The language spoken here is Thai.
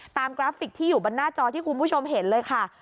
กราฟิกที่อยู่บนหน้าจอที่คุณผู้ชมเห็นเลยค่ะ